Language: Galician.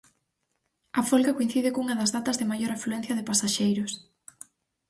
A folga coincide cunha das datas de maior afluencia de pasaxeiros.